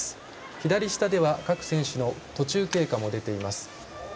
左下では各選手の途中経過も出ています。